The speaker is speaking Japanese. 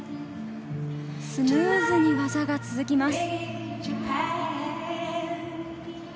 スムーズに技が続きます。